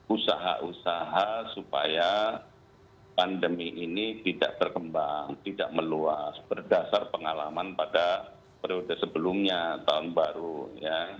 usaha usaha supaya pandemi ini tidak berkembang tidak meluas berdasar pengalaman pada periode sebelumnya tahun baru ya